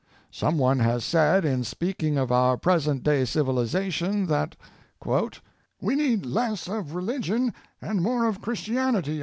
Some one has said, in speaking of our present day civihzation, that ''we need less of religion and more of Christianity."